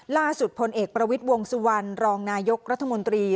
พลเอกประวิทย์วงสุวรรณรองนายกรัฐมนตรี